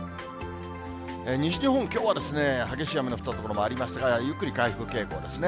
西日本、きょうは激しい雨の降った所がありますが、ゆっくり回復傾向ですね。